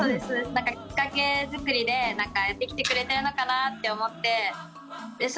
何かきっかけ作りでやってきてくれてるのかなって思ってそ